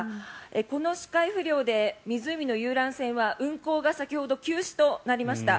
この視界不良で湖の遊覧船は運航が先ほど休止となりました。